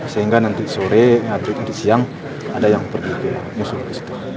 sehingga nanti sore nanti siang ada yang pergi masuk ke situ